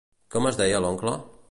Com es deia l'oncle?